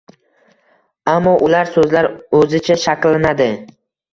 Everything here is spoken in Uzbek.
Ammo ular so’zlar o’zicha shakllanadi